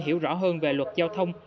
hiểu rõ hơn về luật giao thông